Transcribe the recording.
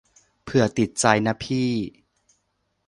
เผื่อติดใจนะพี่